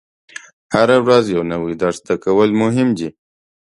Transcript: هره ورځ یو نوی درس زده کول مهم دي.